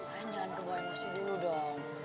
saya jangan kebawa emosi dulu dong